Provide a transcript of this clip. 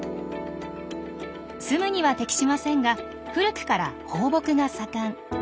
住むには適しませんが古くから放牧が盛ん。